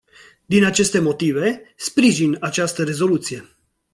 Din aceste motive, sprijin această rezoluție.